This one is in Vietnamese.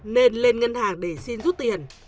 nên lên ngân hàng để xin rút tiền